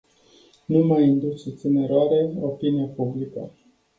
Nu mai induceți în eroare opinia publică.